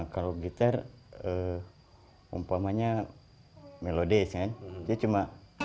kalau gitar umpamanya melodes kan dia cuma